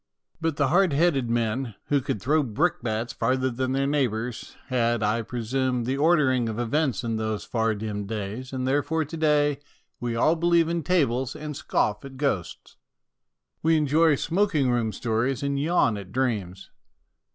But the hard headed men who could throw brick bats farther than their neighbours had, I presume, the ordering of events in those far dim days, and therefore to day we all 3 33 34 MONOLOGUES believe in tables and scoff at ghosts ; we enjoy smoking room stories and yawn at dreams.